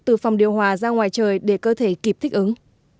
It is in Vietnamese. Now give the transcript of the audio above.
từ phòng điều hòa ra ngoài trời để cơ thể kịp thích ứng